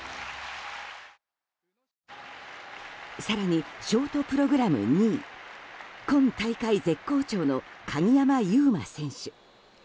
更にショートプログラム２位今大会、絶好調の鍵山優真選手。